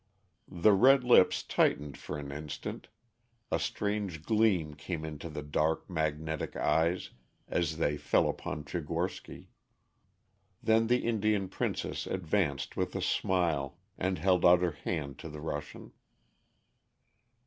The red lips tightened for an instant, a strange gleam came into the dark magnetic eyes as they fell upon Tchigorsky. Then the Indian Princess advanced with a smile, and held out her hand to the Russian.